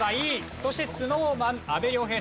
そしてＳｎｏｗＭａｎ阿部亮平さん。